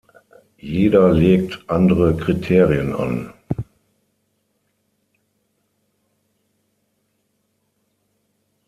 Jeder legt andere Kriterien an.